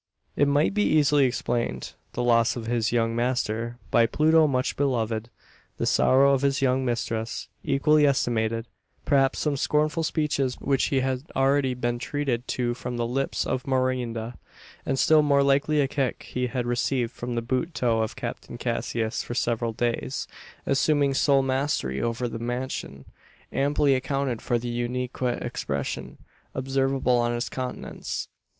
It might be easily explained. The loss of his young master by Pluto much beloved the sorrow of his young mistress, equally estimated perhaps some scornful speeches which he had lately been treated to from the lips of Morinda and still more likely a kick he had received from the boot toe of Captain Cassius for several days assuming sole mastery over the mansion amply accounted for the unquiet expression observable on his countenance.